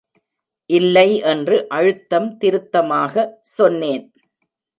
இல்லை என்று அழுத்தம் திருத்தமாக சொன்னேன்.